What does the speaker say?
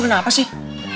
lo kenapa sih